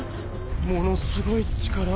ものすごい力を。